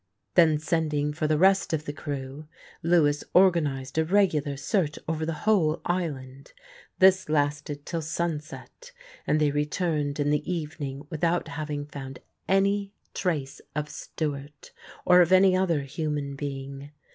Then sending for the rest of the crew, Lewis organised a regular search over the whole island. This lasted till sunset, and they returned in the evening without having found any trace of Stewart or of any other human being.